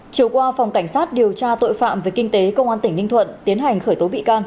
chiều qua phòng cảnh sát điều tra tội phạm về kinh tế công an tỉnh ninh thuận tiến hành khởi tố bị can